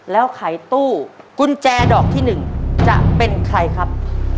แล้วขายตู้กุญแจดอกที่๑จะเป็นใครครับ